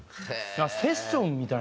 セッションみたいな。